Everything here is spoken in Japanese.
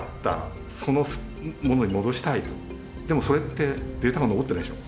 でもそれってデータが残ってないでしょ